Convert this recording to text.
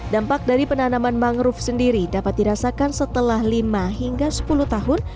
dampak dari penanaman mangrove sendiri dapat dirasakan setelah lima hingga sepuluh tahun